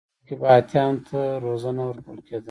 په شاهي ماڼۍ کې به هاتیانو ته روزنه ورکول کېده.